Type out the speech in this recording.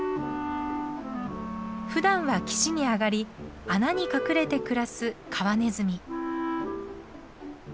ふだんは岸に上がり穴に隠れて暮らすカワネズミ。